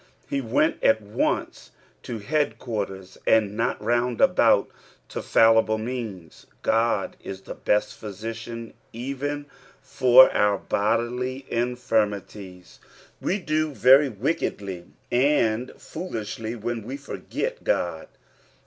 He went at once to liead quarters, and not roundabout to fallible means. Qod is the beat physician, even for our bodily iafirmitieB. We do very wickedly and foolishly when we forget God.